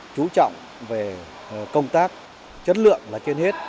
chú trọng về công tác chất lượng là trên hết